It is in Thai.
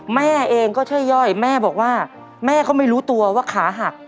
แม่เองก็ช่วยย่อยแม่บอกว่าแม่ก็ไม่รู้ตัวว่าขาหัก